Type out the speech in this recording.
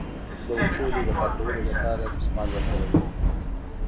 د وچولې د پاکولو لپاره دستمال را سره نه و.